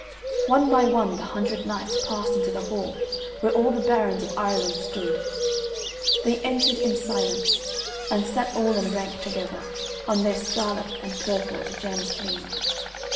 One by one the hundred knights passed into the hall where all the barons of Ireland stood, they entered in silence and sat all in rank together: on their scarlet and purple the gems gleamed.